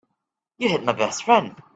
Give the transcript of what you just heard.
You hit my best friend.